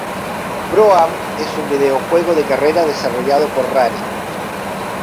Pro-Am es un videojuego de carreras desarrollado por Rare.